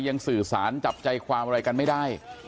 สื่อสารจับใจความอะไรกันไม่ได้